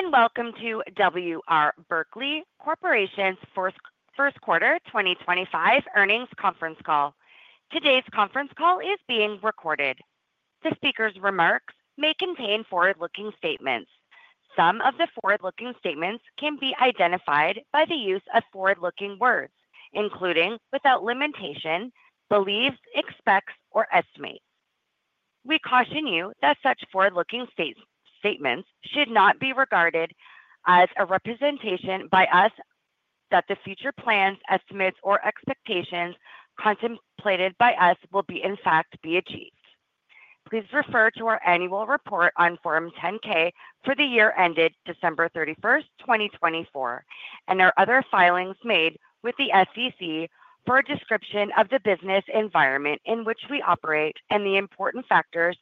Good day and welcome to W. R. Berkley Corporation's first quarter 2025 earnings conference call. Today's conference call is being recorded. The speaker's remarks may contain forward-looking statements. Some of the forward-looking statements can be identified by the use of forward-looking words, including without limitation, believes, expects, or estimates. We caution you that such forward-looking statements should not be regarded as a representation by us that the future plans, estimates, or expectations contemplated by us will be, in fact, achieved. Please refer to our annual report on Form 10-K for the year ended December 31st, 2024, and our other filings made with the SEC for a description of the business environment in which we operate and the important factors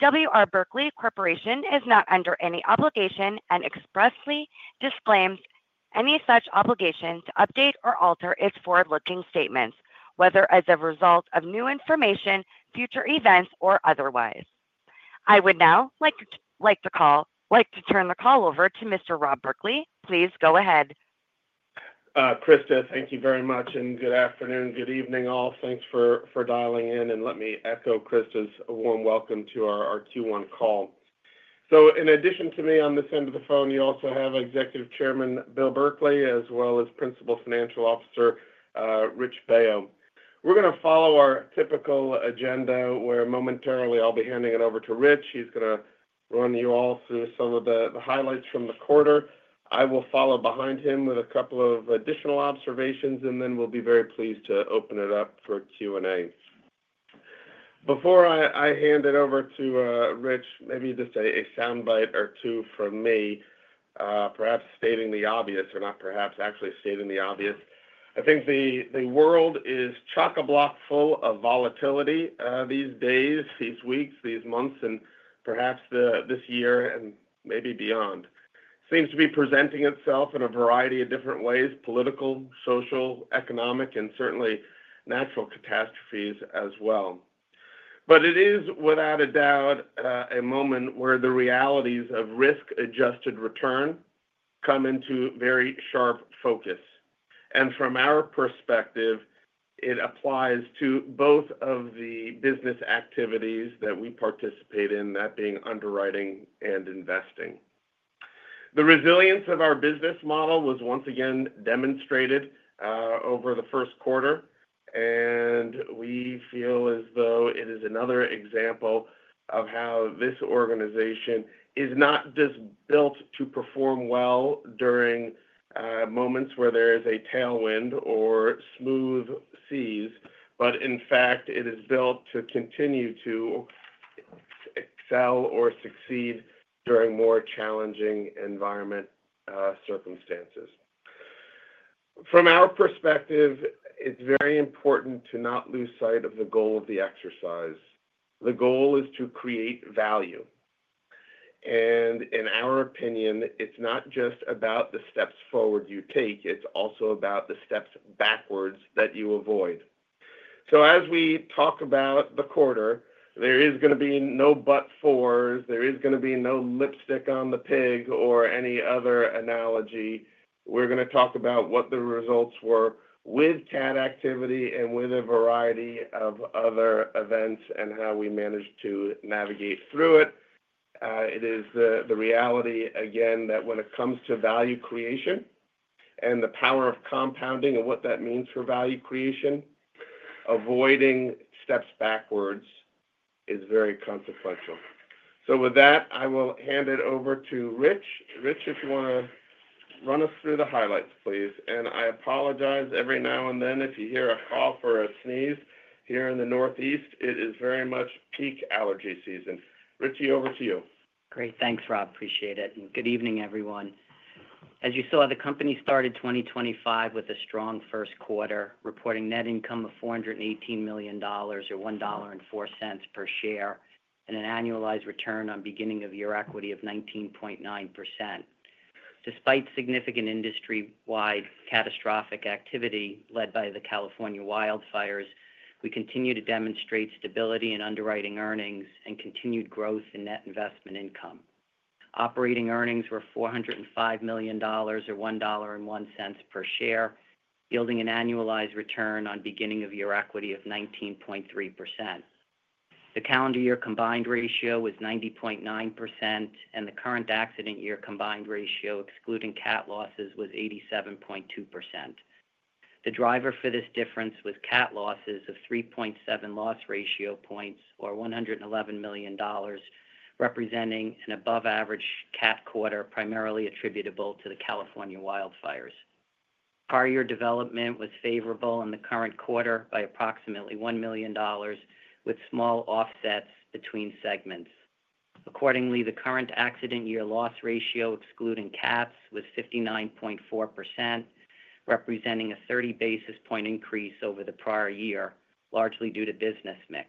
that may materially affect our results. W.R. Berkley Corporation is not under any obligation and expressly disclaims any such obligation to update or alter its forward-looking statements, whether as a result of new information, future events, or otherwise. I would now like to turn the call over to Mr. Rob Berkley. Please go ahead. Krista, thank you very much, and good afternoon, good evening all. Thanks for dialing in, and let me echo Krista's warm welcome to our Q1 call. In addition to me on this end of the phone, you also have Executive Chairman Bill Berkley, as well as Principal Financial Officer Rich Baio. We're going to follow our typical agenda, where momentarily I'll be handing it over to Rich. He's going to run you all through some of the highlights from the quarter. I will follow behind him with a couple of additional observations, and then we'll be very pleased to open it up for Q&A. Before I hand it over to Rich, maybe just a sound bite or two from me, perhaps stating the obvious or not perhaps, actually stating the obvious. I think the world is chockablock full of volatility these days, these weeks, these months, and perhaps this year and maybe beyond. It seems to be presenting itself in a variety of different ways: political, social, economic, and certainly natural catastrophes as well. It is, without a doubt, a moment where the realities of risk-adjusted return come into very sharp focus. From our perspective, it applies to both of the business activities that we participate in, that being underwriting and investing. The resilience of our business model was once again demonstrated over the first quarter, and we feel as though it is another example of how this organization is not just built to perform well during moments where there is a tailwind or smooth seas, but in fact, it is built to continue to excel or succeed during more challenging environment circumstances. From our perspective, it's very important to not lose sight of the goal of the exercise. The goal is to create value. In our opinion, it's not just about the steps forward you take; it's also about the steps backwards that you avoid. As we talk about the quarter, there is going to be no but-fors. There is going to be no lipstick on the pig or any other analogy. We're going to talk about what the results were with cat activity and with a variety of other events and how we managed to navigate through it. It is the reality, again, that when it comes to value creation and the power of compounding and what that means for value creation, avoiding steps backwards is very consequential. With that, I will hand it over to Rich. Rich, if you want to run us through the highlights, please. I apologize every now and then if you hear a cough or a sneeze here in the Northeast. It is very much peak allergy season. Richie, over to you. Great. Thanks, Rob. Appreciate it. Good evening, everyone. As you saw, the company started 2025 with a strong first quarter, reporting net income of $418 million or $1.04 per share and an annualized return on beginning-of-year equity of 19.9%. Despite significant industry-wide catastrophic activity led by the California wildfires, we continue to demonstrate stability in underwriting earnings and continued growth in net investment income. Operating earnings were $405 million or $1.01 per share, yielding an annualized return on beginning-of-year equity of 19.3%. The calendar year combined ratio was 90.9%, and the current accident year combined ratio, excluding cut losses, was 87.2%. The driver for this difference was cut losses of 3.7 loss ratio points, or $111 million, representing an above-average cat quarter primarily attributable to the California wildfires. Prior year development was favorable in the current quarter by approximately $1 million, with small offsets between segments. Accordingly, the current accident year loss ratio, excluding cuts, was 59.4%, representing a 30-basis point increase over the prior year, largely due to business mix.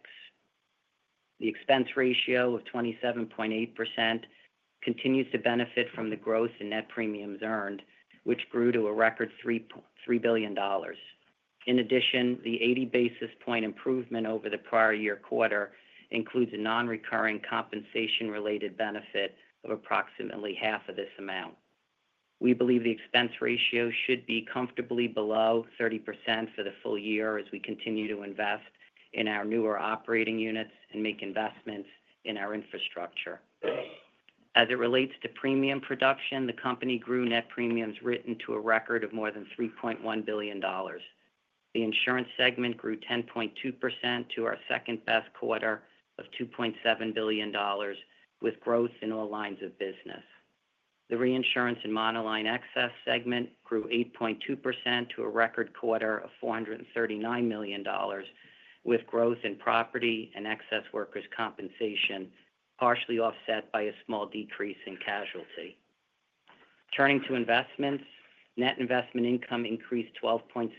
The expense ratio of 27.8% continues to benefit from the growth in net premiums earned, which grew to a record $3 billion. In addition, the 80-basis point improvement over the prior year quarter includes a non-recurring compensation-related benefit of approximately half of this amount. We believe the expense ratio should be comfortably below 30% for the full year as we continue to invest in our newer operating units and make investments in our infrastructure. As it relates to premium production, the company grew net premiums written to a record of more than $3.1 billion. The insurance segment grew 10.2% to our second-best quarter of $2.7 billion, with growth in all lines of business. The reinsurance and monoline excess segment grew 8.2% to a record quarter of $439 million, with growth in property and excess workers' compensation, partially offset by a small decrease in casualty. Turning to investments, net investment income increased 12.6%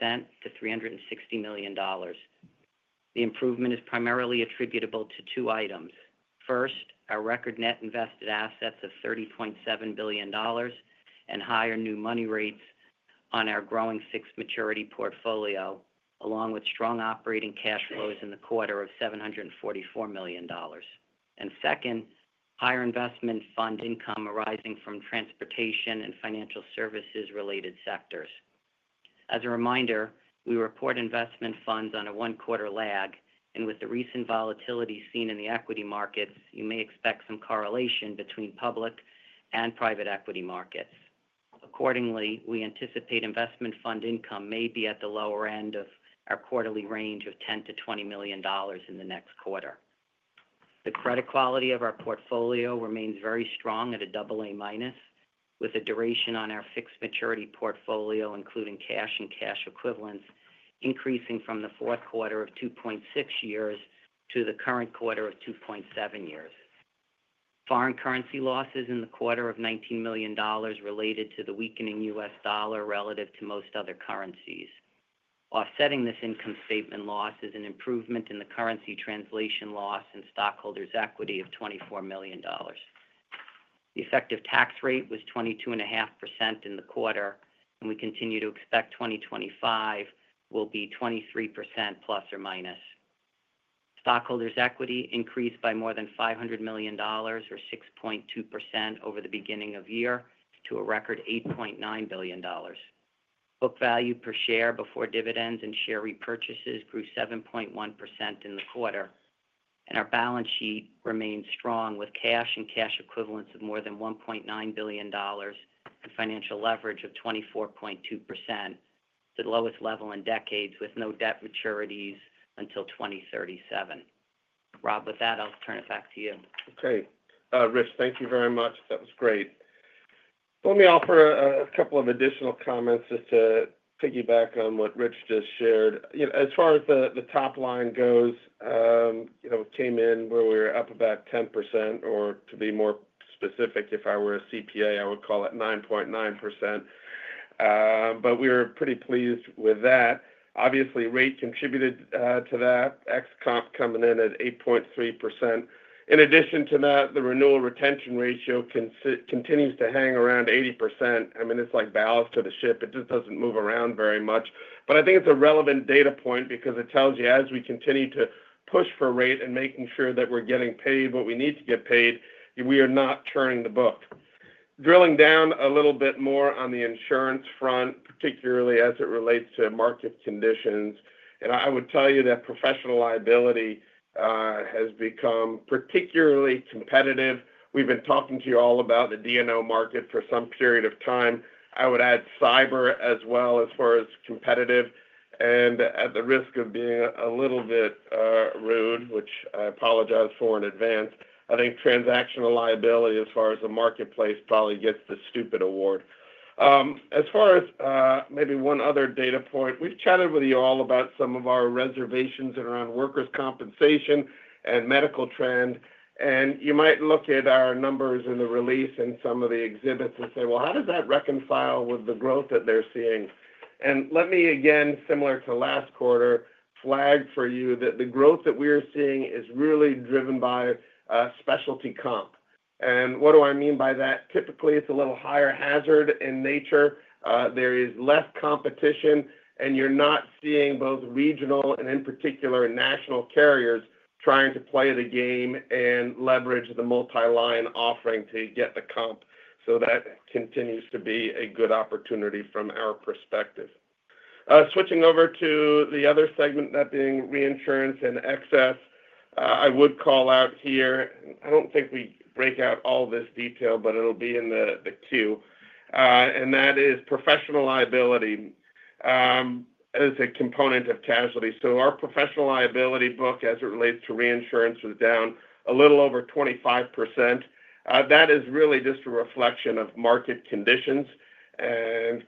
to $360 million. The improvement is primarily attributable to two items. First, our record net invested assets of $30.7 billion and higher new money rates on our growing fixed maturity portfolio, along with strong operating cash flows in the quarter of $744 million. Second, higher investment fund income arising from transportation and financial services-related sectors. As a reminder, we report investment funds on a one-quarter lag, and with the recent volatility seen in the equity markets, you may expect some correlation between public and private equity markets. Accordingly, we anticipate investment fund income may be at the lower end of our quarterly range of $10-$20 million in the next quarter. The credit quality of our portfolio remains very strong at a AA-, with the duration on our fixed maturity portfolio, including cash and cash equivalents, increasing from the fourth quarter of 2.6 years to the current quarter of 2.7 years. Foreign currency losses in the quarter of $19 million related to the weakening US dollar relative to most other currencies. Offsetting this income statement loss is an improvement in the currency translation loss in stockholders' equity of $24 million. The effective tax rate was 22.5% in the quarter, and we continue to expect 2025 will be 23% plus or minus. Stockholders' equity increased by more than $500 million, or 6.2%, over the beginning of year to a record $8.9 billion. Book value per share before dividends and share repurchases grew 7.1% in the quarter. Our balance sheet remains strong with cash and cash equivalents of more than $1.9 billion and financial leverage of 24.2%, the lowest level in decades with no debt maturities until 2037. Rob, with that, I'll turn it back to you. Okay. Rich, thank you very much. That was great. Let me offer a couple of additional comments just to piggyback on what Rich just shared. As far as the top line goes, it came in where we were up about 10%, or to be more specific, if I were a CPA, I would call it 9.9%. But we were pretty pleased with that. Obviously, rate contributed to that, ex-comp coming in at 8.3%. In addition to that, the renewal retention ratio continues to hang around 80%. I mean, it's like ballast to the ship. It just doesn't move around very much. I think it's a relevant data point because it tells you as we continue to push for rate and making sure that we're getting paid what we need to get paid, we are not churning the book. Drilling down a little bit more on the insurance front, particularly as it relates to market conditions, and I would tell you that professional liability has become particularly competitive. We've been talking to you all about the D&O market for some period of time. I would add cyber as well as far as competitive. At the risk of being a little bit rude, which I apologize for in advance, I think transactional liability as far as the marketplace probably gets the stupid award. As far as maybe one other data point, we've chatted with you all about some of our reservations around workers' compensation and medical trend. You might look at our numbers in the release and some of the exhibits and say, "Well, how does that reconcile with the growth that they're seeing?" Let me, again, similar to last quarter, flag for you that the growth that we are seeing is really driven by specialty comp. What do I mean by that? Typically, it's a little higher hazard in nature. There is less competition, and you're not seeing both regional and, in particular, national carriers trying to play the game and leverage the multi-line offering to get the comp. That continues to be a good opportunity from our perspective. Switching over to the other segment, that being reinsurance and excess, I would call out here, and I do not think we break out all this detail, but it will be in the queue. That is professional liability as a component of casualty. Our professional liability book as it relates to reinsurance was down a little over 25%. That is really just a reflection of market conditions.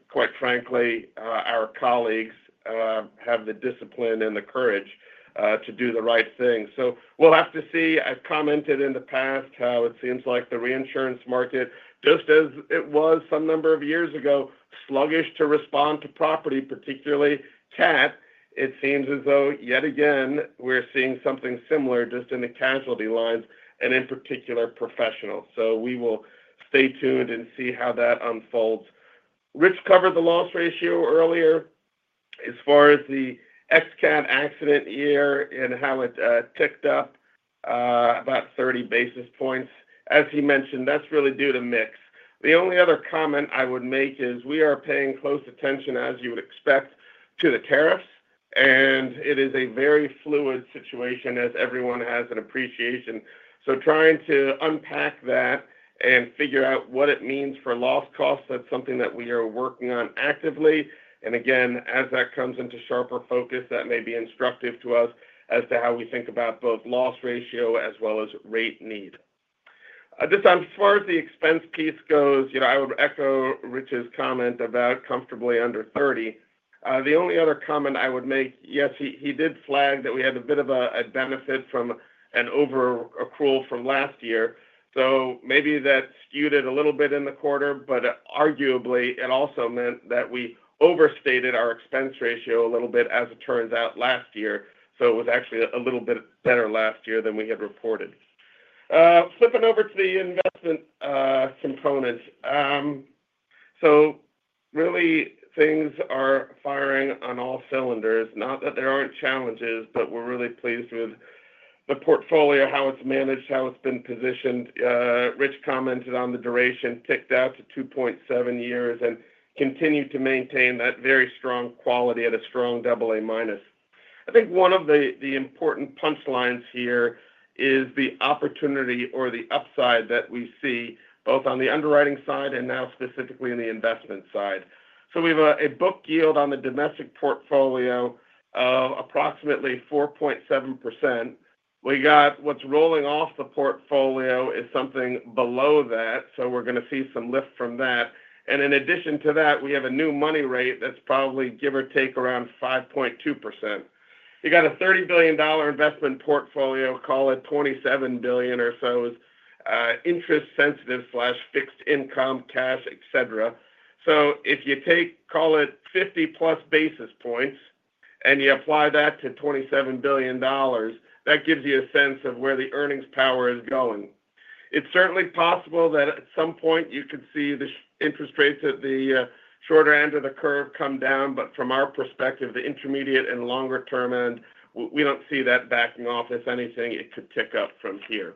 Quite frankly, our colleagues have the discipline and the courage to do the right thing. We will have to see. I have commented in the past how it seems like the reinsurance market, just as it was some number of years ago, is sluggish to respond to property, particularly cat. It seems as though yet again we are seeing something similar just in the casualty lines and in particular professional. We will stay tuned and see how that unfolds. Rich covered the loss ratio earlier. As far as the ex-cat accident year and how it ticked up about 30 basis points, as he mentioned, that is really due to mix. The only other comment I would make is we are paying close attention, as you would expect, to the tariffs. It is a very fluid situation as everyone has an appreciation. Trying to unpack that and figure out what it means for loss costs, that's something that we are working on actively. As that comes into sharper focus, that may be instructive to us as to how we think about both loss ratio as well as rate need. Just as far as the expense piece goes, I would echo Rich's comment about comfortably under 30. The only other comment I would make, yes, he did flag that we had a bit of a benefit from an over-accrual from last year. Maybe that skewed it a little bit in the quarter, but arguably it also meant that we overstated our expense ratio a little bit as it turns out last year. It was actually a little bit better last year than we had reported. Flipping over to the investment component. Really, things are firing on all cylinders. Not that there are not challenges, but we are really pleased with the portfolio, how it is managed, how it has been positioned. Rich commented on the duration ticked out to 2.7 years and continued to maintain that very strong quality at a strong AA-. I think one of the important punchlines here is the opportunity or the upside that we see both on the underwriting side and now specifically in the investment side. We have a book yield on the domestic portfolio of approximately 4.7%. We got what's rolling off the portfolio is something below that. We are going to see some lift from that. In addition to that, we have a new money rate that's probably give or take around 5.2%. You got a $30 billion investment portfolio, call it $27 billion or so, is interest-sensitive/fixed income, cash, etc. If you take, call it 50 plus basis points and you apply that to $27 billion, that gives you a sense of where the earnings power is going. It is certainly possible that at some point you could see the interest rates at the shorter end of the curve come down, but from our perspective, the intermediate and longer-term end, we do not see that backing off. If anything, it could tick up from here.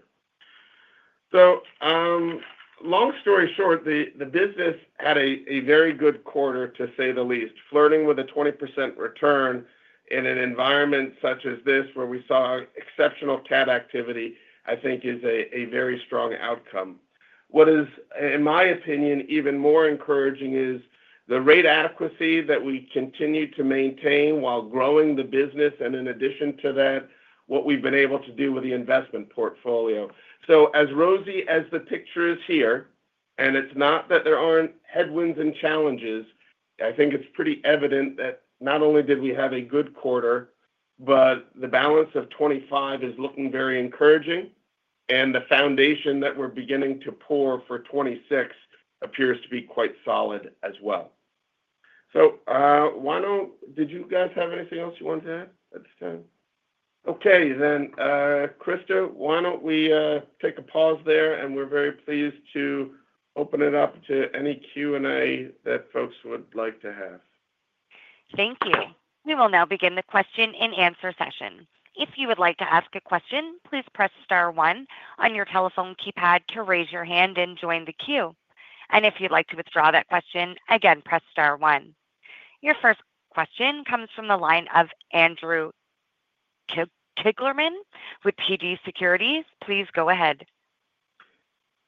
Long story short, the business had a very good quarter, to say the least. Flirting with a 20% return in an environment such as this where we saw exceptional cat activity, I think is a very strong outcome. What is, in my opinion, even more encouraging is the rate adequacy that we continue to maintain while growing the business. In addition to that, what we've been able to do with the investment portfolio. As rosy as the picture is here, and it's not that there aren't headwinds and challenges, I think it's pretty evident that not only did we have a good quarter, but the balance of 2025 is looking very encouraging. The foundation that we're beginning to pour for 2026 appears to be quite solid as well. Did you guys have anything else you wanted to add at this time? Okay. Krista, why don't we take a pause there? We are very pleased to open it up to any Q&A that folks would like to have. Thank you. We will now begin the question and answer session. If you would like to ask a question, please press star one on your telephone keypad to raise your hand and join the queue. If you'd like to withdraw that question, again, press star one. Your first question comes from the line of Andrew Kligerman with TD Securities. Please go ahead.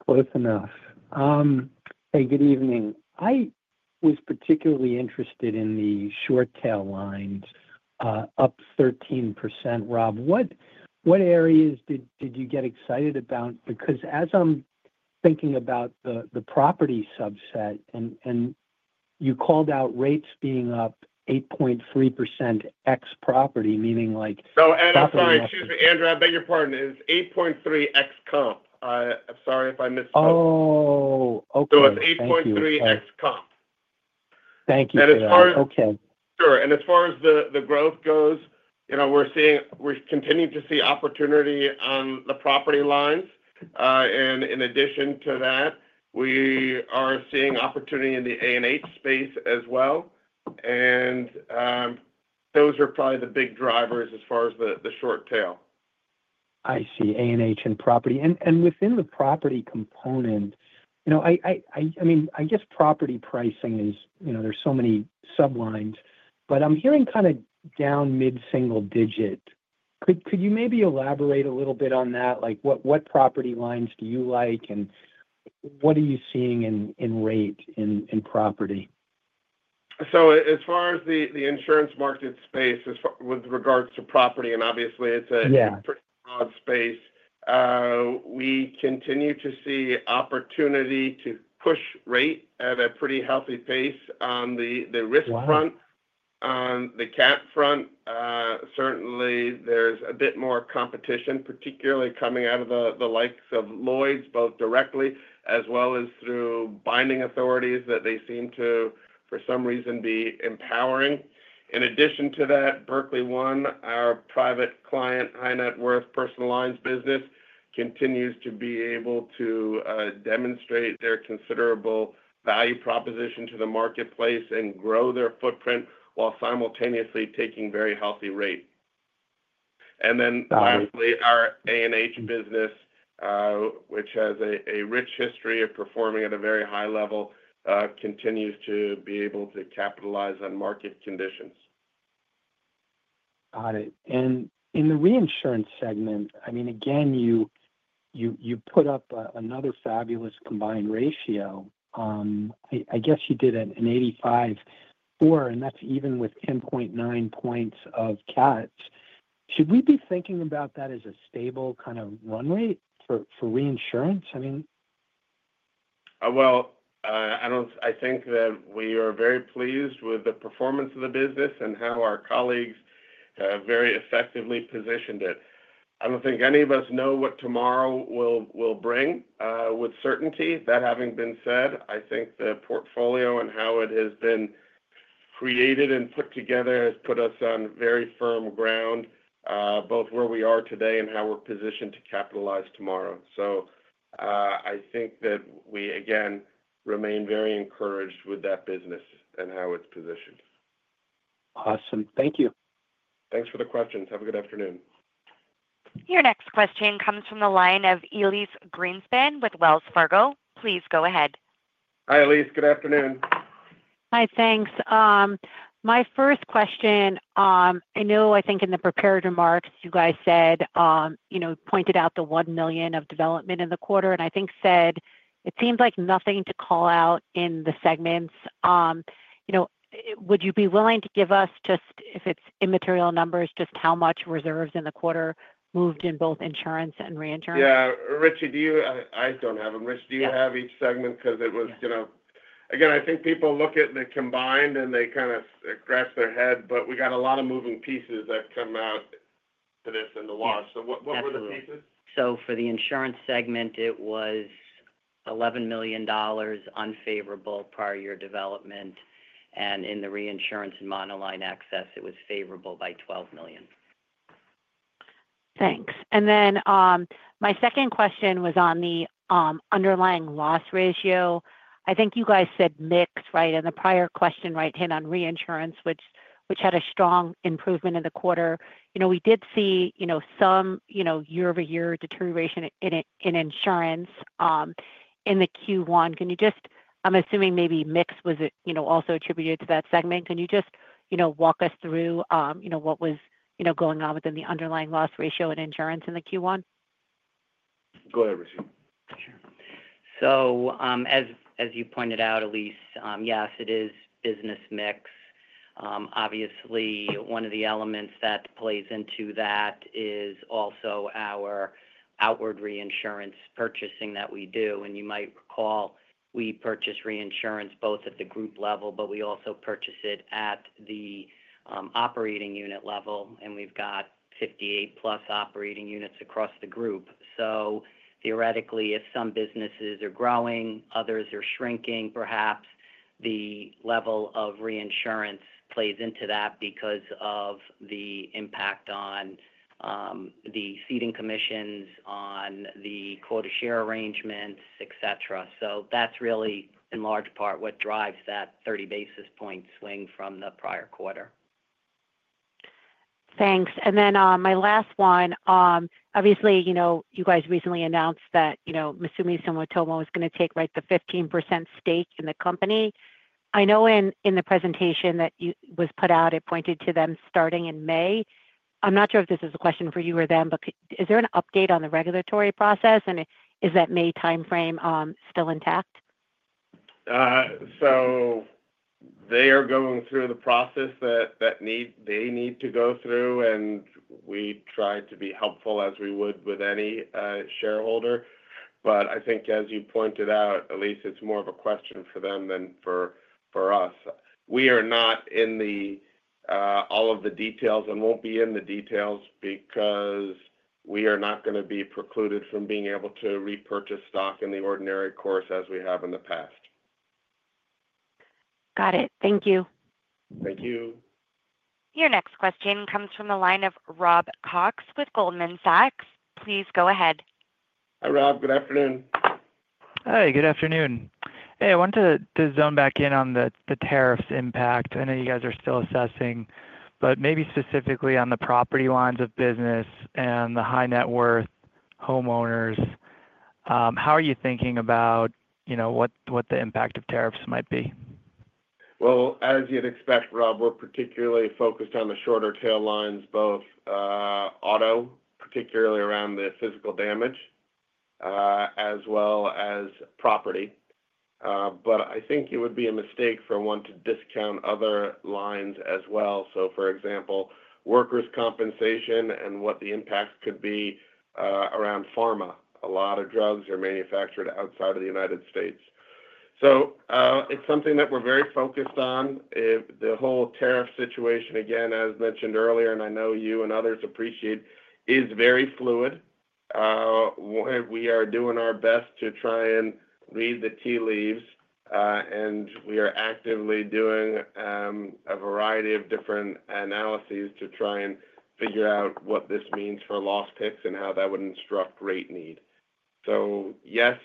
Close enough. Hey, good evening. I was particularly interested in the short tail lines up 13%. Rob, what areas did you get excited about? Because as I'm thinking about the property subset, and you called out rates being up 8.3% ex-property, meaning like property. I'm sorry. Excuse me, Andrew. I beg your pardon it's 8.3 ex-comps. I'm sorry if I misspoke. Oh, okay. It's 8.3 ex-comps. Thank you. As far as. Yeah. Okay. Sure. As far as the growth goes, we're continuing to see opportunity on the property lines. In addition to that, we are seeing opportunity in the A&H space as well. Those are probably the big drivers as far as the short tail. I see. A&H and property. And within the property component, I mean, I guess property pricing is there's so many sublines, but I'm hearing kind of down mid-single digit. Could you maybe elaborate a little bit on that? What property lines do you like? And what are you seeing in rate in property? As far as the insurance market space with regards to property, and obviously, it's a pretty broad space, we continue to see opportunity to push rate at a pretty healthy pace on the risk front, on the cat front. Certainly, there's a bit more competition, particularly coming out of the likes of Lloyd's, both directly as well as through binding authorities that they seem to, for some reason, be empowering. In addition to that, Berkley One, our private client, High Net Worth Personal Lines business, continues to be able to demonstrate their considerable value proposition to the marketplace and grow their footprint while simultaneously taking very healthy rate. Then lastly, our A&H business, which has a rich history of performing at a very high level, continues to be able to capitalize on market conditions. Got it. In the reinsurance segment, I mean, again, you put up another fabulous combined ratio. I guess you did an 85.4, and that's even with 10.9 points of cat. Should we be thinking about that as a stable kind of run rate for reinsurance? I mean. I think that we are very pleased with the performance of the business and how our colleagues have very effectively positioned it. I do not think any of us know what tomorrow will bring with certainty. That having been said, I think the portfolio and how it has been created and put together has put us on very firm ground, both where we are today and how we are positioned to capitalize tomorrow. I think that we, again, remain very encouraged with that business and how it is positioned. Awesome. Thank you. Thanks for the questions. Have a good afternoon. Your next question comes from the line of Elise Greenspan with Wells Fargo. Please go ahead. Hi, Elyse. Good afternoon. Hi. Thanks. My first question, I know I think in the prepared remarks, you guys said pointed out the $1 million of development in the quarter. I think said it seems like nothing to call out in the segments. Would you be willing to give us, just if it's immaterial numbers, just how much reserves in the quarter moved in both insurance and reinsurance? Yeah. Richie, I don't have them. Rich, do you have each segment? Because it was again, I think people look at the combined and they kind of scratch their head, but we got a lot of moving pieces that come out to this in the wash. So what were the pieces? For the insurance segment, it was $11 million unfavorable prior year development. In the reinsurance and monoline excess, it was favorable by $12 million. Thanks. My second question was on the underlying loss ratio. I think you guys said mix, right? The prior question hit on reinsurance, which had a strong improvement in the quarter. We did see some year-over-year deterioration in insurance in the Q1. Can you just, I'm assuming maybe mix was also attributed to that segment. Can you just walk us through what was going on within the underlying loss ratio and insurance in the Q1? Go ahead, Richie. Sure. As you pointed out, Elise, yes, it is business mix. Obviously, one of the elements that plays into that is also our outward reinsurance purchasing that we do. You might recall we purchase reinsurance both at the group level, but we also purchase it at the operating unit level. We have 58 plus operating units across the group. Theoretically, if some businesses are growing, others are shrinking, perhaps the level of reinsurance plays into that because of the impact on the ceding commissions, on the quota share arrangements, etc. That is really, in large part, what drives that 30 basis point swing from the prior quarter. Thanks. My last one, obviously, you guys recently announced that Mitsui Sumitomo is going to take the 15% stake in the company. I know in the presentation that was put out, it pointed to them starting in May. I'm not sure if this is a question for you or them, but is there an update on the regulatory process? Is that May timeframe still intact? They are going through the process that they need to go through. We tried to be helpful as we would with any shareholder. I think, as you pointed out, Elise, it is more of a question for them than for us. We are not in all of the details and will not be in the details because we are not going to be precluded from being able to repurchase stock in the ordinary course as we have in the past. Got it. Thank you. Thank you. Your next question comes from the line of Rob Cox with Goldman Sachs. Please go ahead. Hi, Rob. Good afternoon. Hi. Good afternoon. Hey, I wanted to zone back in on the tariffs impact. I know you guys are still assessing, but maybe specifically on the property lines of business and the high net worth homeowners. How are you thinking about what the impact of tariffs might be? As you'd expect, Rob, we're particularly focused on the shorter tail lines, both auto, particularly around the physical damage, as well as property. I think it would be a mistake for one to discount other lines as well. For example, workers' compensation and what the impact could be around pharma. A lot of drugs are manufactured outside of the United States. It is something that we're very focused on. The whole tariff situation, again, as mentioned earlier, and I know you and others appreciate, is very fluid. We are doing our best to try and read the tea leaves. We are actively doing a variety of different analyses to try and figure out what this means for loss picks and how that would instruct rate need. Yes,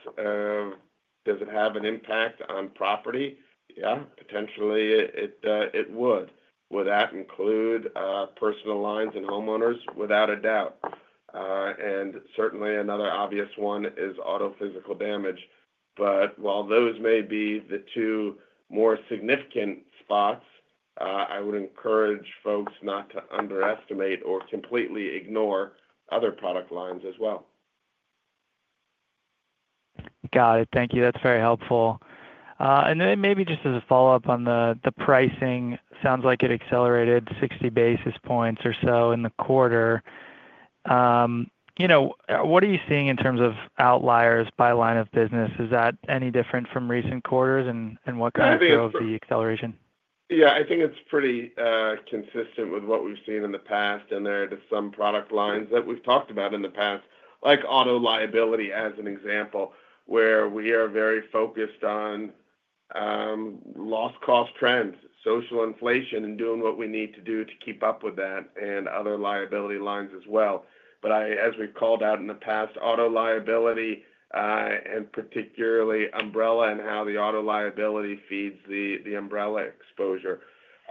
does it have an impact on property? Yeah, potentially it would. Would that include personal lines and homeowners? Without a doubt. Certainly, another obvious one is auto physical damage. While those may be the two more significant spots, I would encourage folks not to underestimate or completely ignore other product lines as well. Got it. Thank you. That's very helpful. Maybe just as a follow-up on the pricing, sounds like it accelerated 60 basis points or so in the quarter. What are you seeing in terms of outliers by line of business? Is that any different from recent quarters? What kind of feel of the acceleration? Yeah. I think it's pretty consistent with what we've seen in the past. There are some product lines that we've talked about in the past, like auto liability as an example, where we are very focused on loss cost trends, social inflation, and doing what we need to do to keep up with that and other liability lines as well. As we've called out in the past, auto liability and particularly umbrella and how the auto liability feeds the umbrella exposure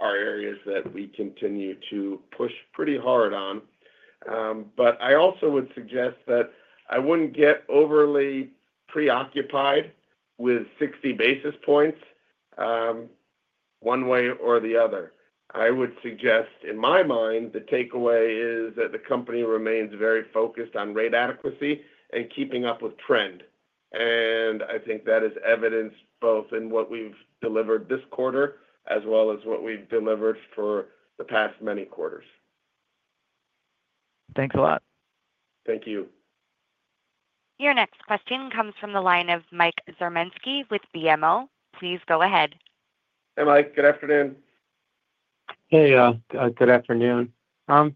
are areas that we continue to push pretty hard on. I also would suggest that I wouldn't get overly preoccupied with 60 basis points one way or the other. I would suggest, in my mind, the takeaway is that the company remains very focused on rate adequacy and keeping up with trend. I think that is evidenced both in what we've delivered this quarter as well as what we've delivered for the past many quarters. Thanks a lot. Thank you. Your next question comes from the line of Mike Zaremski with BMO. Please go ahead. Hey, Mike. Good afternoon. Hey, good afternoon. I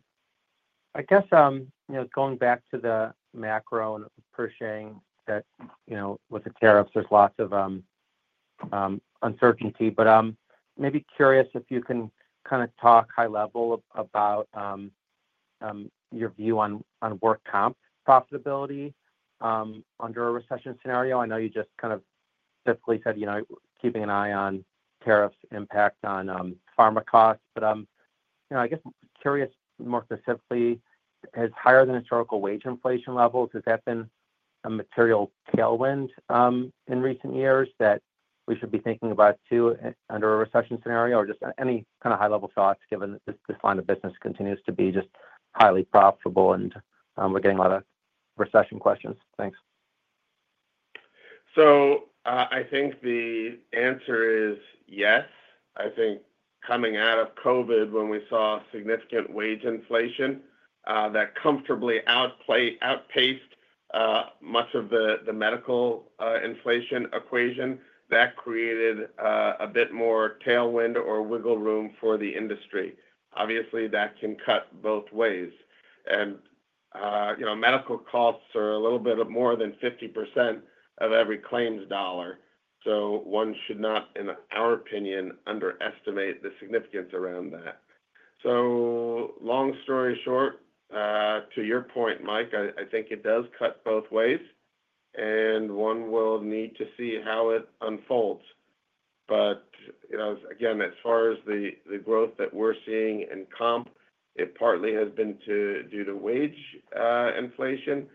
guess going back to the macro and pushing that with the tariffs, there's lots of uncertainty. Maybe curious if you can kind of talk high level about your view on work comp profitability under a recession scenario. I know you just kind of typically said keeping an eye on tariffs' impact on pharma costs. I guess curious more specifically, has higher than historical wage inflation levels, has that been a material tailwind in recent years that we should be thinking about too under a recession scenario? Any kind of high-level thoughts given that this line of business continues to be just highly profitable and we're getting a lot of recession questions. Thanks. I think the answer is yes. I think coming out of COVID when we saw significant wage inflation that comfortably outpaced much of the medical inflation equation, that created a bit more tailwind or wiggle room for the industry. Obviously, that can cut both ways. Medical costs are a little bit more than 50% of every claims dollar. One should not, in our opinion, underestimate the significance around that. Long story short, to your point, Mike, I think it does cut both ways. One will need to see how it unfolds. Again, as far as the growth that we're seeing in comp, it partly has been due to wage inflation.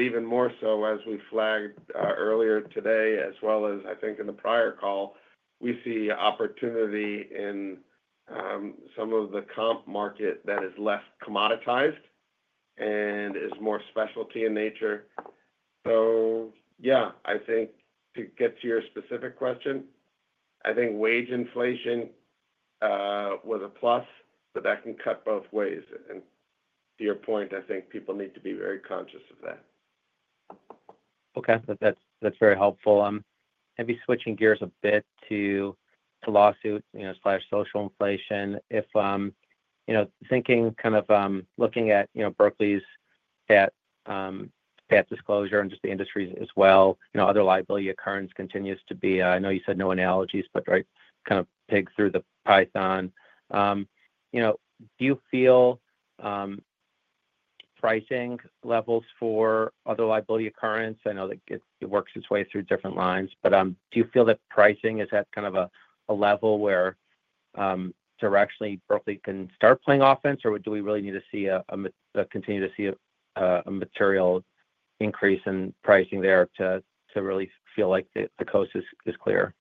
Even more so as we flagged earlier today, as well as I think in the prior call, we see opportunity in some of the comp market that is less commoditized and is more specialty in nature. Yeah, I think to get to your specific question, I think wage inflation was a plus, but that can cut both ways. To your point, I think people need to be very conscious of that. Okay. That's very helpful. Maybe switching gears a bit to lawsuit/social inflation. If thinking kind of looking at Berkley's debt disclosure and just the industry as well, other liability occurrence continues to be I know you said no analogies, but kind of pig through the Python. Do you feel pricing levels for other liability occurrence? I know that it works its way through different lines. Do you feel that pricing has hit kind of a level where directionally Berkley can start playing offense? Or do we really need to continue to see a material increase in pricing there to really feel like the coast is clear?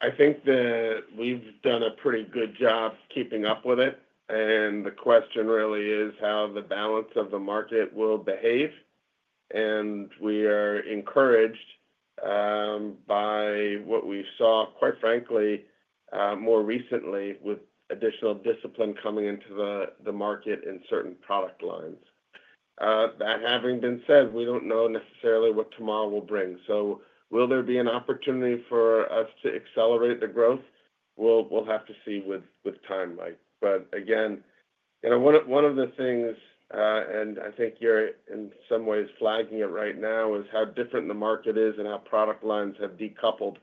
I think that we've done a pretty good job keeping up with it. The question really is how the balance of the market will behave. We are encouraged by what we saw, quite frankly, more recently with additional discipline coming into the market in certain product lines. That having been said, we do not know necessarily what tomorrow will bring. Will there be an opportunity for us to accelerate the growth? We will have to see with time. Again, one of the things, and I think you are in some ways flagging it right now, is how different the market is and how product lines have decoupled.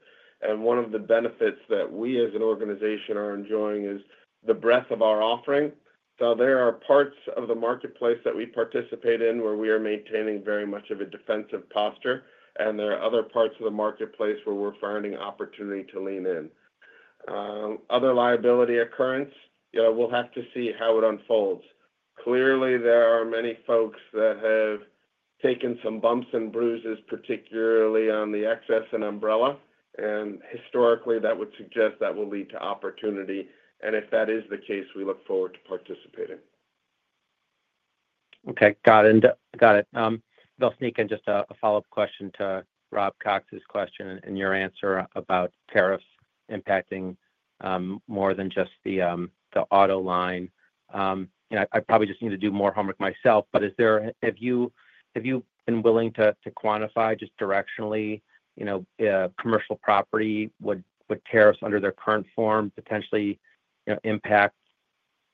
One of the benefits that we as an organization are enjoying is the breadth of our offering. There are parts of the marketplace that we participate in where we are maintaining very much of a defensive posture. There are other parts of the marketplace where we're finding opportunity to lean in. Other liability occurrence, we'll have to see how it unfolds. Clearly, there are many folks that have taken some bumps and bruises, particularly on the excess and umbrella. Historically, that would suggest that will lead to opportunity. If that is the case, we look forward to participating. Okay. Got it. I'll sneak in just a follow-up question to Rob Cox's question and your answer about tariffs impacting more than just the auto line. I probably just need to do more homework myself. But have you been willing to quantify just directionally commercial property? Would tariffs under their current form potentially impact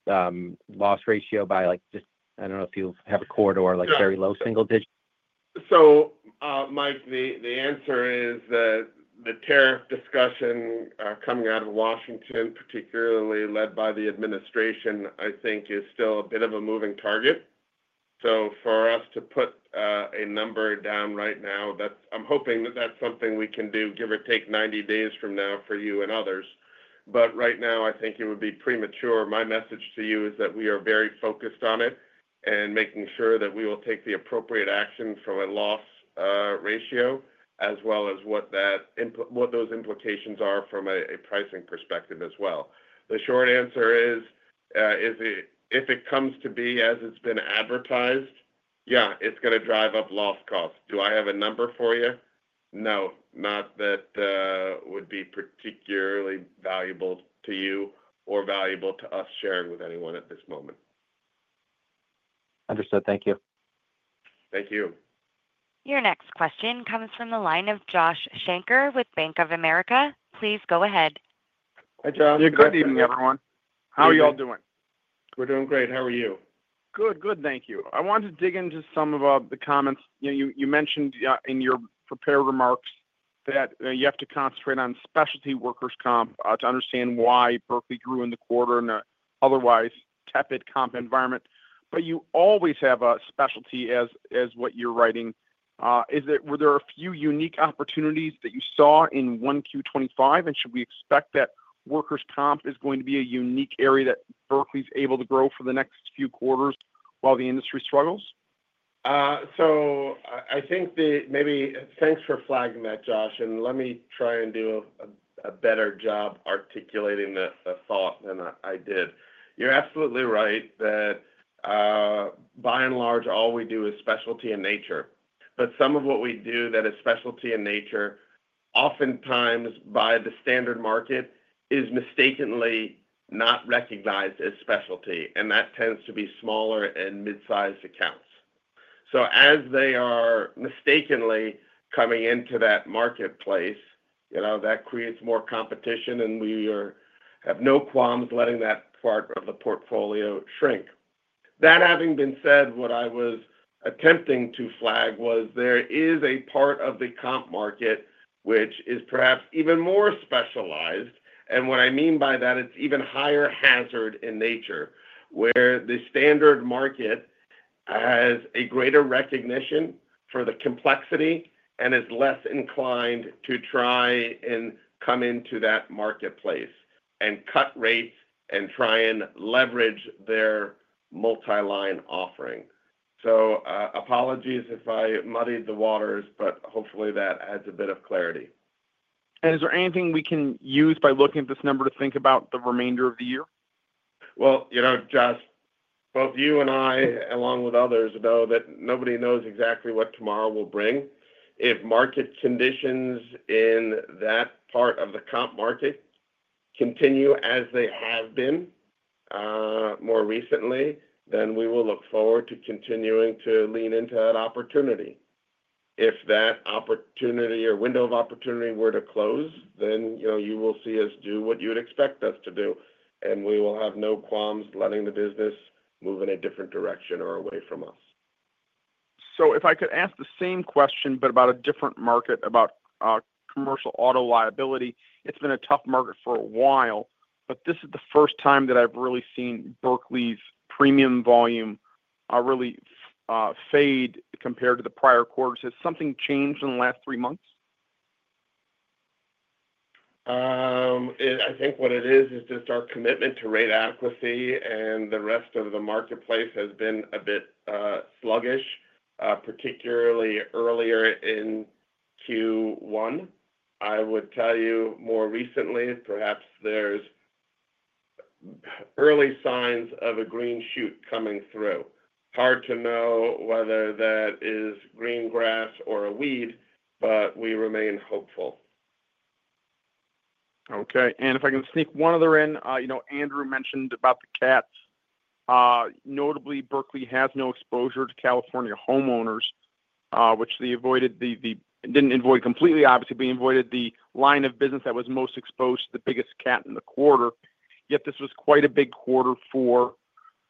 loss ratio by just I don't know if you have a quarter or very low single digit? Mike, the answer is that the tariff discussion coming out of Washington, particularly led by the administration, I think is still a bit of a moving target. For us to put a number down right now, I'm hoping that that's something we can do, give or take 90 days from now for you and others. Right now, I think it would be premature. My message to you is that we are very focused on it and making sure that we will take the appropriate action from a loss ratio as well as what those implications are from a pricing perspective as well. The short answer is if it comes to be as it's been advertised, yeah, it's going to drive up loss costs. Do I have a number for you? No, not that would be particularly valuable to you or valuable to us sharing with anyone at this moment. Understood. Thank you. Thank you. Your next question comes from the line of Josh Shanker with Bank of America. Please go ahead. Hi, Josh. Good evening, everyone. How are you all doing? We're doing great. How are you? Good. Good. Thank you. I wanted to dig into some of the comments you mentioned in your prepared remarks that you have to concentrate on specialty workers' comp to understand why Berkley grew in the quarter and otherwise tepid comp environment. You always have a specialty as what you're writing. Were there a few unique opportunities that you saw in 1Q 2025? Should we expect that workers' comp is going to be a unique area that Berkley's able to grow for the next few quarters while the industry struggles? I think that maybe thanks for flagging that, Josh. Let me try and do a better job articulating the thought than I did. You're absolutely right that by and large, all we do is specialty in nature. Some of what we do that is specialty in nature oftentimes by the standard market is mistakenly not recognized as specialty. That tends to be smaller and mid-sized accounts. As they are mistakenly coming into that marketplace, that creates more competition. We have no qualms letting that part of the portfolio shrink. That having been said, what I was attempting to flag was there is a part of the comp market which is perhaps even more specialized. What I mean by that, it's even higher hazard in nature where the standard market has a greater recognition for the complexity and is less inclined to try and come into that marketplace and cut rates and try and leverage their multi-line offering. Apologies if I muddied the waters, but hopefully that adds a bit of clarity. Is there anything we can use by looking at this number to think about the remainder of the year? Josh, both you and I, along with others, know that nobody knows exactly what tomorrow will bring. If market conditions in that part of the comp market continue as they have been more recently, we will look forward to continuing to lean into that opportunity. If that opportunity or window of opportunity were to close, you will see us do what you would expect us to do. We will have no qualms letting the business move in a different direction or away from us. If I could ask the same question but about a different market, about commercial auto liability, it's been a tough market for a while. This is the first time that I've really seen Berkley's premium volume really fade compared to the prior quarters. Has something changed in the last three months? I think what it is is just our commitment to rate adequacy. The rest of the marketplace has been a bit sluggish, particularly earlier in Q1. I would tell you more recently, perhaps there are early signs of a green shoot coming through. Hard to know whether that is green grass or a weed, but we remain hopeful. Okay. If I can sneak one other in, Andrew mentioned about the cats. Notably, Berkley has no exposure to California homeowners, which they avoided. They did not avoid completely, obviously, but they avoided the line of business that was most exposed to the biggest cat in the quarter. Yet this was quite a big quarter for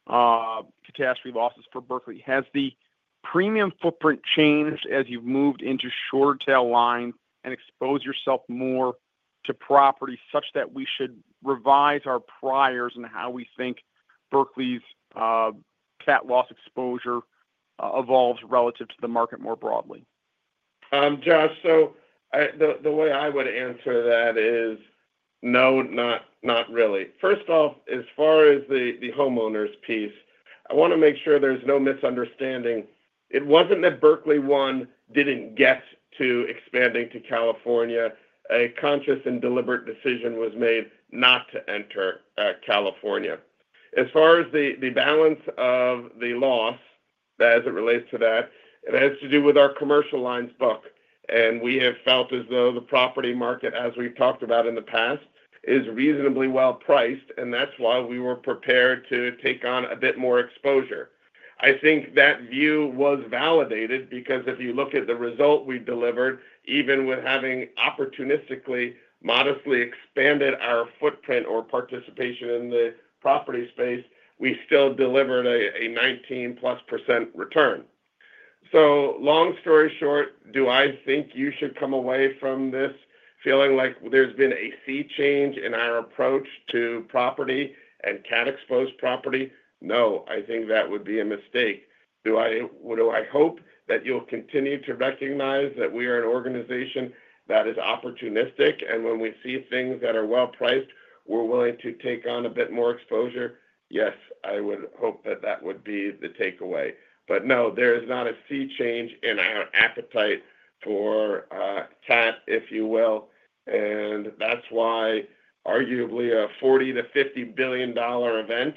catastrophe losses for Berkley. Has the premium footprint changed as you've moved into short tail lines and exposed yourself more to property such that we should revise our priors and how we think Berkley's cut loss exposure evolves relative to the market more broadly? Josh, the way I would answer that is no, not really. First off, as far as the homeowners piece, I want to make sure there's no misunderstanding. It wasn't that Berkley One didn't get to expanding to California. A conscious and deliberate decision was made not to enter California. As far as the balance of the loss as it relates to that, it has to do with our commercial lines book. We have felt as though the property market, as we've talked about in the past, is reasonably well priced. That's why we were prepared to take on a bit more exposure. I think that view was validated because if you look at the result we delivered, even with having opportunistically modestly expanded our footprint or participation in the property space, we still delivered a 19-plus % return. Long story short, do I think you should come away from this feeling like there's been a sea change in our approach to property and cat-exposed property? No, I think that would be a mistake. Do I hope that you'll continue to recognize that we are an organization that is opportunistic? And when we see things that are well priced, we're willing to take on a bit more exposure? Yes, I would hope that that would be the takeaway. No, there is not a sea change in our appetite for cat, if you will. That's why arguably a $40 billion-$50 billion event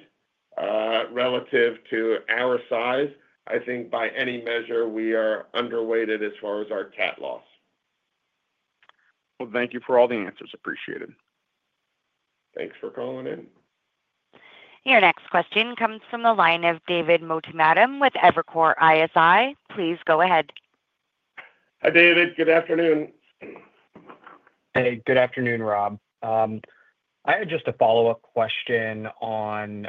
relative to our size, I think by any measure we are underweighted as far as our cut loss. Thank you for all the answers. Appreciate it. Thanks for calling in. Your next question comes from the line of David Motemaden with Evercore ISI. Please go ahead. Hi David. Good afternoon. Hey, good afternoon, Rob. I had just a follow-up question on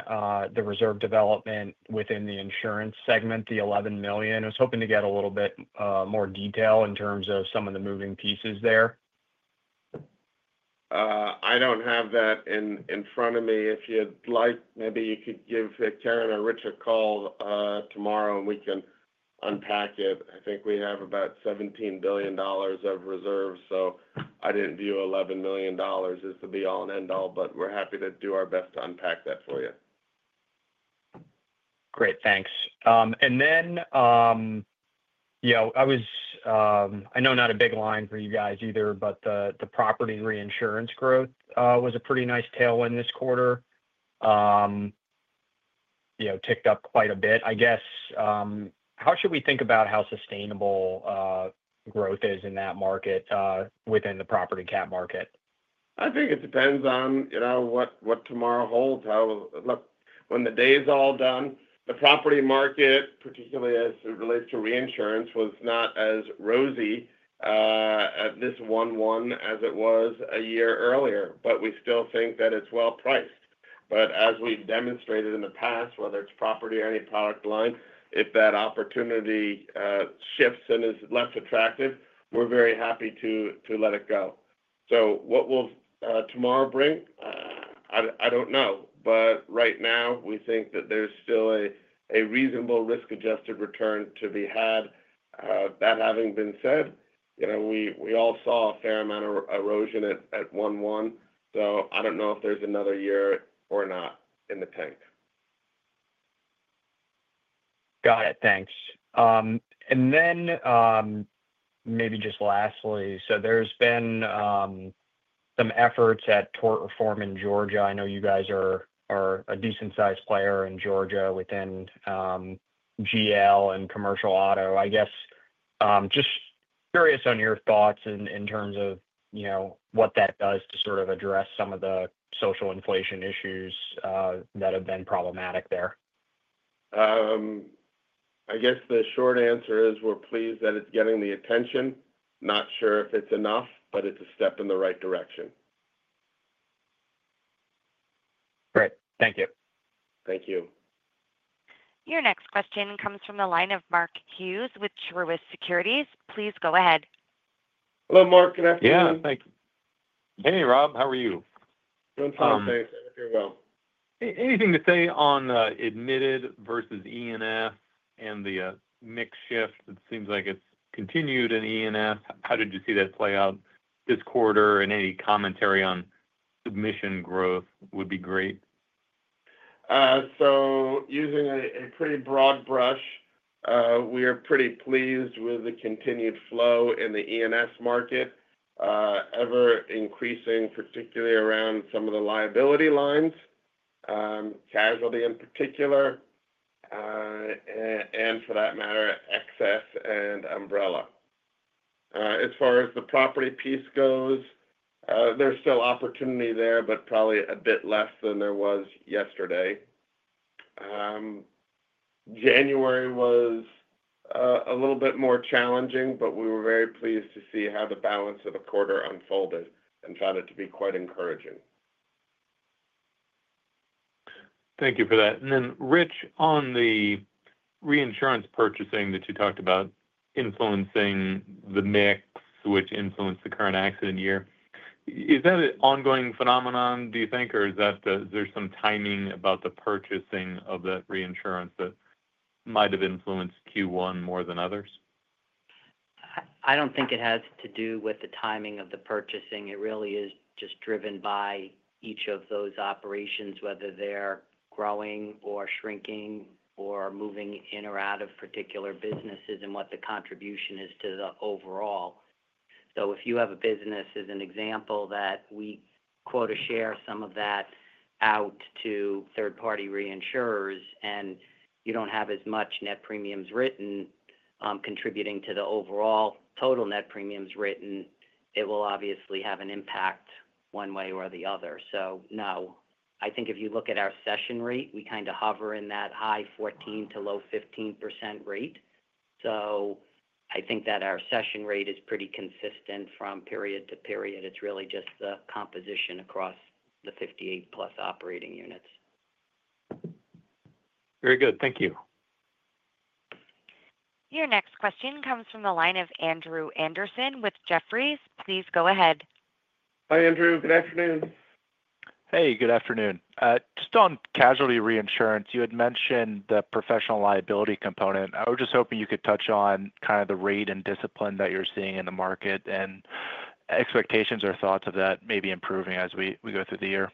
the reserve development within the insurance segment, the $11 million. I was hoping to get a little bit more detail in terms of some of the moving pieces there. I do not have that in front of me. If you would like, maybe you could give Karen or Richard a call tomorrow and we can unpack it. I think we have about $17 billion of reserves. I did not view $11 million as the be-all and end-all, but we are happy to do our best to unpack that for you. Great. Thanks. I know not a big line for you guys either, but the property reinsurance growth was a pretty nice tailwind this quarter, ticked up quite a bit, I guess. How should we think about how sustainable growth is in that market within the property cat market? I think it depends on what tomorrow holds. Look, when the day is all done, the property market, particularly as it relates to reinsurance, was not as rosy at this 1-1 as it was a year earlier. We still think that it's well priced. As we've demonstrated in the past, whether it's property or any product line, if that opportunity shifts and is less attractive, we're very happy to let it go. What will tomorrow bring? I don't know. Right now, we think that there's still a reasonable risk-adjusted return to be had. That having been said, we all saw a fair amount of erosion at 1-1. I don't know if there's another year or not in the tank. Got it. Thanks. Maybe just lastly, there have been some efforts at tort reform in Georgia. I know you guys are a decent-sized player in Georgia within GL and commercial auto. I guess just curious on your thoughts in terms of what that does to sort of address some of the social inflation issues that have been problematic there. I guess the short answer is we're pleased that it's getting the attention. Not sure if it's enough, but it's a step in the right direction. Great. Thank you. Thank you. Your next question comes from the line of Mark Hughes with Truist Securities. Please go ahead. Hello, Mark. Good afternoon. Yeah. Thanks. Hey, Rob. How are you? Doing fine. Thanks. I hope you're well. Anything to say on admitted versus E&S and the mix shift? It seems like it's continued in E&S. How did you see that play out this quarter? Any commentary on submission growth would be great. Using a pretty broad brush, we are pretty pleased with the continued flow in the E&S market, ever increasing, particularly around some of the liability lines, casualty in particular, and for that matter, excess and umbrella. As far as the property piece goes, there's still opportunity there, but probably a bit less than there was yesterday. January was a little bit more challenging, but we were very pleased to see how the balance of the quarter unfolded and found it to be quite encouraging. Thank you for that. Rich, on the reinsurance purchasing that you talked about influencing the mix, which influenced the current accident year, is that an ongoing phenomenon, do you think? Is there some timing about the purchasing of that reinsurance that might have influenced Q1 more than others? I don't think it has to do with the timing of the purchasing. It really is just driven by each of those operations, whether they're growing or shrinking or moving in or out of particular businesses and what the contribution is to the overall. If you have a business, as an example, that we quote a share of some of that out to third party reinsurers and you don't have as much net premiums written contributing to the overall total net premiums written, it will obviously have an impact one way or the other. No, I think if you look at our session rate, we kind of hover in that high 14% to low 15% rate. I think that our session rate is pretty consistent from period to period. It's really just the composition across the 58 plus operating units. Very good. Thank you. Your next question comes from the line of Andrew Andersen with Jefferies. Please go ahead. Hi, Andrew. Good afternoon. Hey, good afternoon. Just on casualty reinsurance, you had mentioned the professional liability component. I was just hoping you could touch on kind of the rate and discipline that you're seeing in the market and expectations or thoughts of that maybe improving as we go through the year.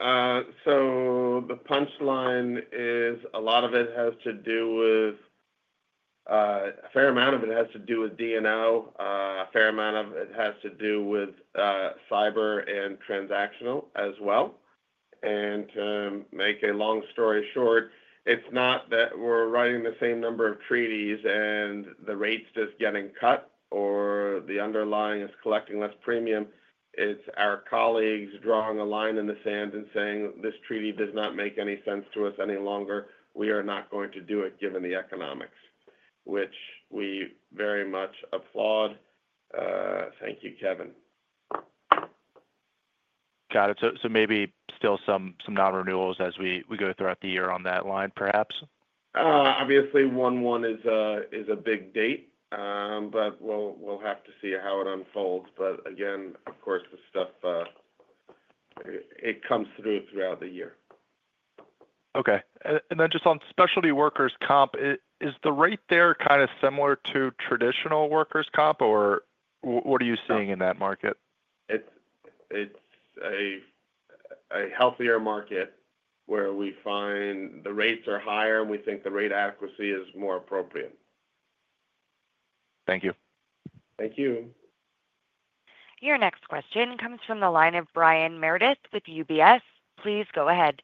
The punchline is a lot of it has to do with a fair amount of it has to do with D&O. A fair amount of it has to do with cyber and transactional as well. To make a long story short, it's not that we're writing the same number of treaties and the rates just getting cut or the underlying is collecting less premium. It's our colleagues drawing a line in the sand and saying, "This treaty does not make any sense to us any longer. We are not going to do it given the economics" which we very much applaud. Thank you, Kevin. Got it. Maybe still some non-renewals as we go throughout the year on that line, perhaps? Obviously, 1-1 is a big date, but we'll have to see how it unfolds. Again, of course, the stuff, it comes through throughout the year. Okay. And then just on specialty workers' comp, is the rate there kind of similar to traditional workers' comp, or what are you seeing in that market? It's a healthier market where we find the rates are higher and we think the rate adequacy is more appropriate. Thank you. Thank you. Your next question comes from the line of Brian Meredith with UBS. Please go ahead.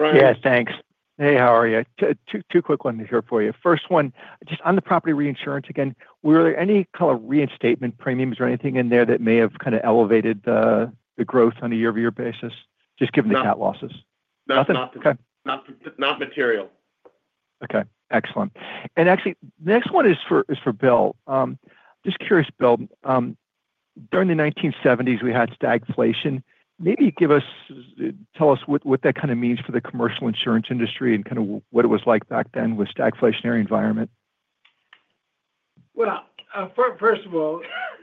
Yes, thanks. Hey, how are you? Two quick ones here for you. First one, just on the property reinsurance again, were there any kind of reinstatement premiums or anything in there that may have kind of elevated the growth on a year-over-year basis? Just given the cut losses. Nothing. Not material. Okay. Excellent. Actually, the next one is for Bill. Just curious, Bill, during the 1970s, we had stagflation. Maybe tell us what that kind of means for the commercial insurance industry and kind of what it was like back then with stagflationary environment. First of all,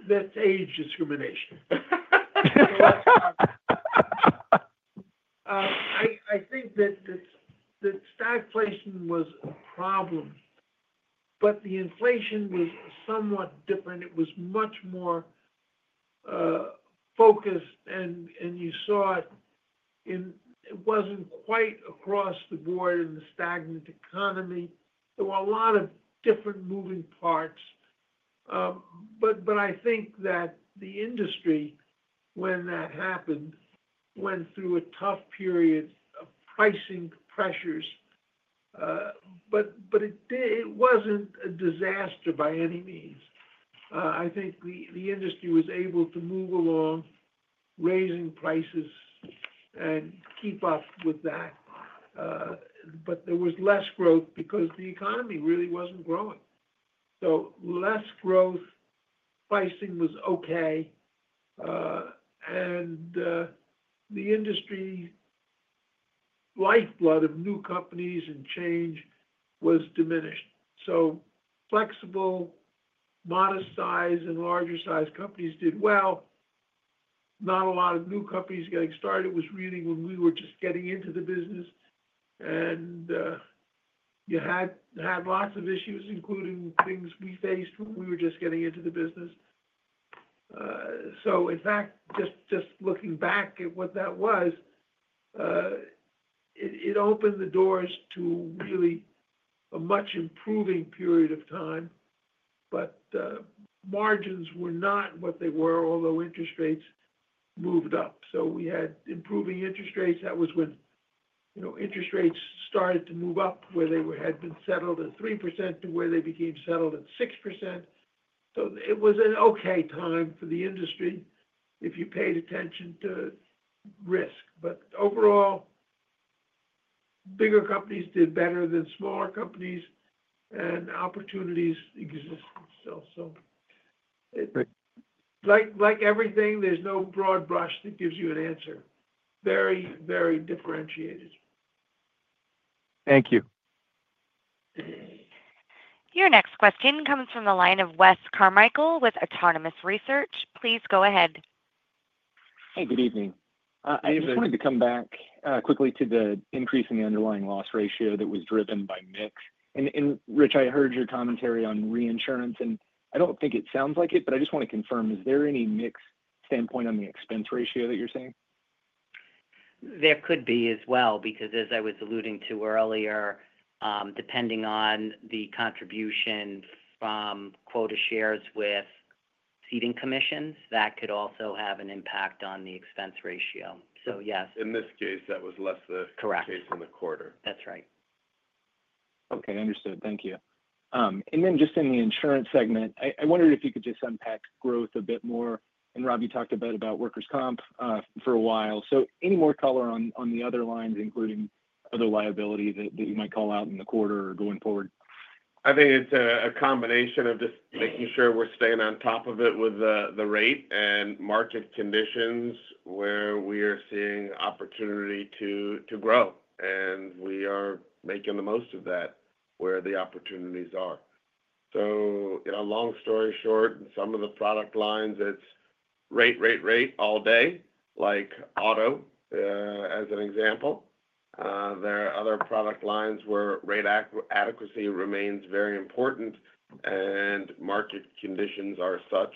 that's age discrimination. I think that stagflation was a problem, but the inflation was somewhat different. It was much more focused, and you saw it. It wasn't quite across the board in the stagnant economy. There were a lot of different moving parts. I think that the industry, when that happened, went through a tough period of pricing pressures. It wasn't a disaster by any means. I think the industry was able to move along, raising prices and keep up with that. There was less growth because the economy really wasn't growing. Less growth, pricing was okay, and the industry lifeblood of new companies and change was diminished. Flexible, modest-sized and larger-sized companies did well. Not a lot of new companies getting started was really when we were just getting into the business. You had lots of issues, including things we faced when we were just getting into the business. In fact, just looking back at what that was, it opened the doors to really a much improving period of time. Margins were not what they were, although interest rates moved up. We had improving interest rates. That was when interest rates started to move up, where they had been settled at 3% to where they became settled at 6%. It was an okay time for the industry if you paid attention to risk. Overall, bigger companies did better than smaller companies, and opportunities existed still. Like everything, there's no broad brush that gives you an answer. Very, very differentiated. Thank you. Your next question comes from the line of Wes Carmichael with Autonomous Research. Please go ahead. Hey, good evening. I just wanted to come back quickly to the increase in the underlying loss ratio that was driven by mix. Rich, I heard your commentary on reinsurance, and I do not think it sounds like it, but I just want to confirm, is there any mix standpoint on the expense ratio that you are seeing? There could be as well because, as I was alluding to earlier, depending on the contribution from quota shares with ceding commissions, that could also have an impact on the expense ratio. Yes. In this case, that was less the case in the quarter. Correct. That's right. Okay. Understood. Thank you. In the insurance segment, I wondered if you could just unpack growth a bit more. Rob, you talked a bit about workers' comp for a while. Any more color on the other lines, including other liability that you might call out in the quarter or going forward? I think it's a combination of just making sure we're staying on top of it with the rate and market conditions where we are seeing opportunity to grow. We are making the most of that where the opportunities are. Long story short, some of the product lines, it's rate, rate, rate all day, like auto as an example. There are other product lines where rate adequacy remains very important and market conditions are such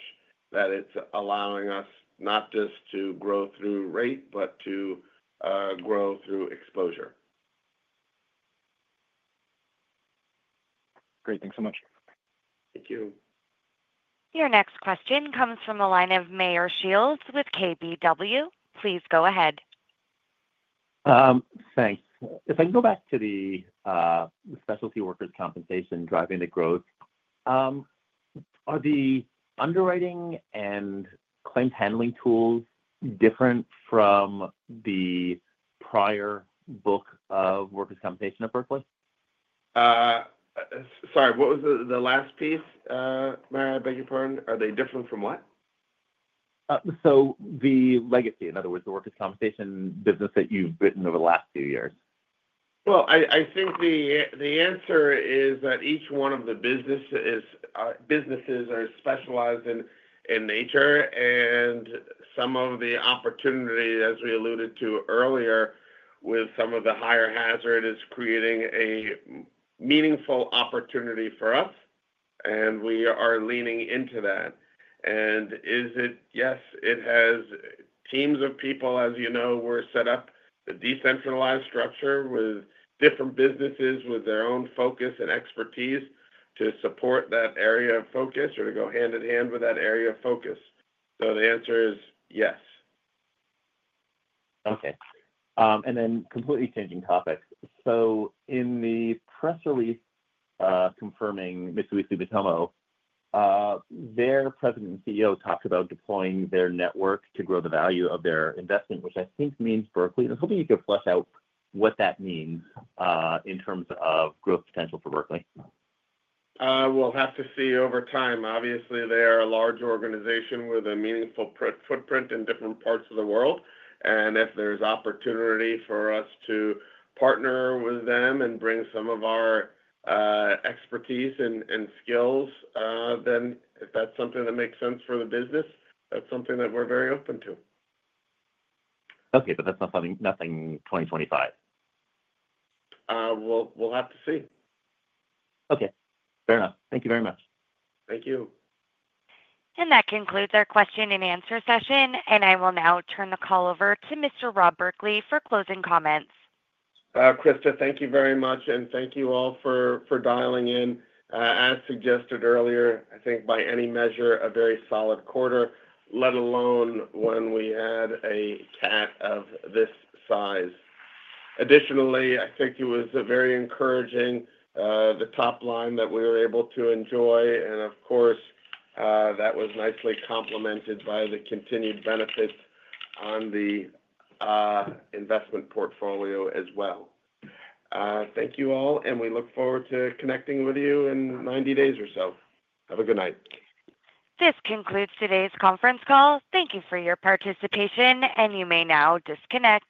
that it's allowing us not just to grow through rate, but to grow through exposure. Great. Thanks so much. Thank you. Your next question comes from the line of Meyer Shields with KBW. Please go ahead. Thanks. If I can go back to the specialty workers' compensation driving the growth, are the underwriting and claims handling tools different from the prior book of workers' compensation at Berkley? Sorry, what was the last piece, Meyer I beg your pardon? Are they different from what? The legacy, in other words, the workers' compensation business that you've written over the last few years. I think the answer is that each one of the businesses is specialized in nature. Some of the opportunity, as we alluded to earlier, with some of the higher hazard is creating a meaningful opportunity for us. We are leaning into that. Yes, it has teams of people, as you know, were set up, the decentralized structure with different businesses with their own focus and expertise to support that area of focus or to go hand in hand with that area of focus. The answer is yes. Okay. Completely changing topic. In the press release confirming Mitsui Sumitomo, their President and CEO talked about deploying their network to grow the value of their investment, which I think means Berkley. I was hoping you could flesh out what that means in terms of growth potential for Berkley. will have to see over time. Obviously, they are a large organization with a meaningful footprint in different parts of the world. If there is opportunity for us to partner with them and bring some of our expertise and skills, then if that is something that makes sense for the business, that is something that we are very open to. Okay, that is nothing 2025? We'll have to see. Okay. Fair enough. Thank you very much. Thank you. That concludes our question and answer session. I will now turn the call over to Mr. Rob Berkley for closing comments. Krista, thank you very much. Thank you all for dialing in. As suggested earlier, I think by any measure, a very solid quarter, let alone when we had a cut of this size. Additionally, I think it was very encouraging, the top line that we were able to enjoy. Of course, that was nicely complemented by the continued benefits on the investment portfolio as well. Thank you all. We look forward to connecting with you in 90 days or so. Have a good night. This concludes today's conference call. Thank you for your participation, and you may now disconnect.